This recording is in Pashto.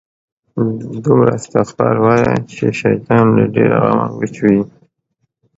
دومره استغفار وایه، چې شیطان له ډېره غمه وچوي